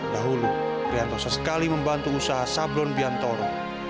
dahulu prianto sesekali membantu usaha sablon biantoro